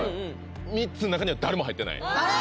３つの中には誰も入ってないあぁ